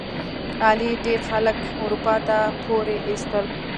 علي ډېر خلک اروپا ته پورې ایستل.